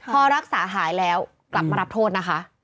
พอรักษาหายแล้วกลับมารับโทษนะคะ